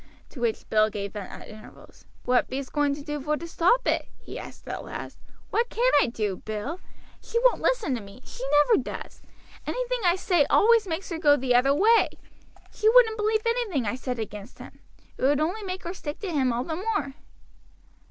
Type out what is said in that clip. to which Bill gave vent at intervals. "What bee'st going to do vor to stop it?" he asked at last. "What can I do, Bill? She won't listen to me she never does. Anything I say always makes her go the other way. She wouldn't believe anything I said against him. It would only make her stick to him all the more.